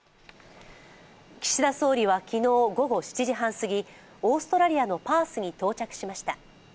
岸田総理は昨日午後７時半すぎオーストラリアのパースに到着しました。